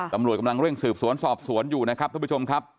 ตำรวจกำลังเร่งสืบสวนสอบสวนอยู่นะครับท่านผู้ชมครับ